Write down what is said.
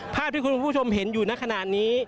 ภาพที่คุณผู้ชมเห็นอยู่ในขณะนี้